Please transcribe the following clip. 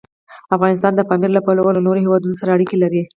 افغانستان د پامیر له پلوه له نورو هېوادونو سره اړیکې لري.